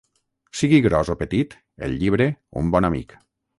Sigui gros o petit, el llibre, un bon amic.